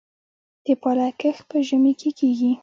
د پالک کښت په ژمي کې کیږي؟